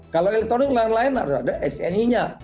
kalau elektronik lain lain harus ada sni nya